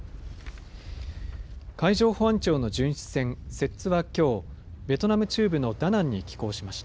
海上保安庁の巡視船、せっつはきょうベトナム中部のダナンに寄港しました。